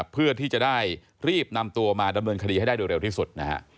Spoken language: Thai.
เพื่อที่จะได้รีบนำตัวมาดำเนินคดีให้ได้โดยเร็วที่สุดนะฮะ